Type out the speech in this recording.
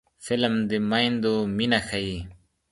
فلم د میندو مینه ښيي